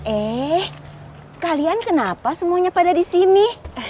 eh kalian kenapa semuanya pada disini